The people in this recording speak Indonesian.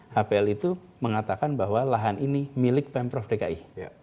hpl itu mengatakan bahwa lahan ini milik pemprov dki